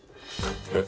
えっ？